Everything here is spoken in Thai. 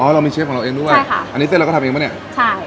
เรามีเชฟของเราเองด้วยใช่ค่ะอันนี้เส้นเราก็ทำเองป่ะเนี่ยใช่